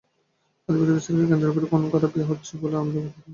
আধিপত্য বিস্তারকে কেন্দ্র করে খুনখারাবি হচ্ছে বলে আমরা তদন্তে জানতে পেরেছি।